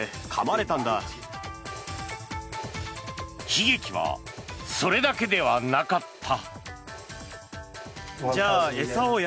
悲劇はそれだけではなかった。